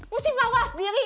mesti mawas diri